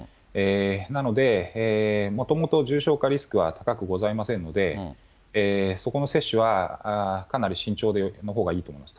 なので、もともと重症化リスクは高くございませんので、そこの接種はかなり慎重のほうがいいと思います。